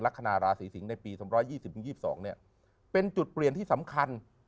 ลักษณะราศีสิงศ์ในปี๒๒๐๒๒เป็นจุดเปลี่ยนที่สำคัญ